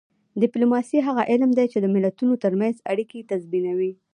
ډیپلوماسي هغه علم دی چې د ملتونو ترمنځ اړیکې تنظیموي